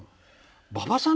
「馬場さん